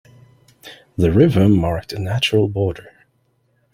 The river marked a natural border.